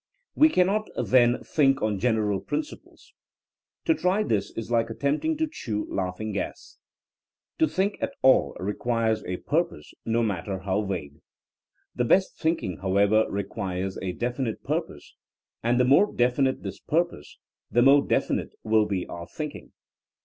We cannot, then, think on general princi ples/ ' To try this is like attempting to chew laughing gas. To think at all requires a pur pose, no matter how vague. The best thinking, however, requires a definite purpose, and the more definite this purpose the more definite will be our thinking.